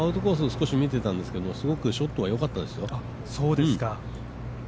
少し見ていたんですけどすごくショットはよかったですよ。